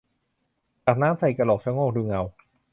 ตักน้ำใส่กระโหลก ชะโงกดูเงา